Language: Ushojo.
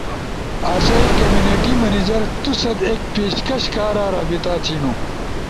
آسئی کمیونٹی منیجر تو ست ایک پیشکش کارا رابطہ تھینو۔